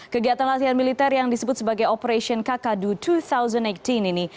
kegiatan latihan militer yang disebut sebagai operation kakadu dua ribu delapan belas ini